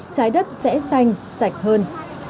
thái đất sẽ xanh sạch hơn